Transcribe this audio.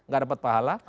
gak dapat pahala